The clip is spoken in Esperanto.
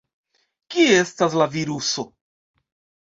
Kie estas la viruso?